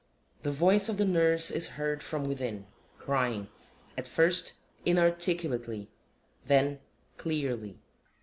[The Voice of the NURSE is heard from within, crying, at first inarticulately, then clearly.